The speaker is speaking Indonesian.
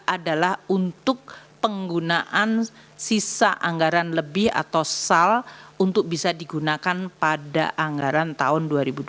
adalah untuk penggunaan sisa anggaran lebih atau sal untuk bisa digunakan pada anggaran tahun dua ribu dua puluh